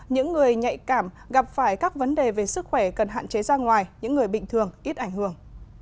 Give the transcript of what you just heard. những người nhạy cảm gặp phải các vấn đề về sức khỏe cần hạn chế ra ngoài những người bình thường ít ảnh hưởng